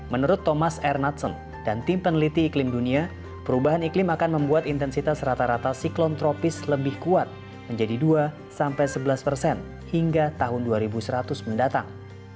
menurut thomas ernatson dan tim peneliti iklim dunia perubahan iklim akan membuat intensitas rata rata siklon tropis lebih kuat menjadi dua sampai sebelas persen hingga tahun dua ribu seratus mendatang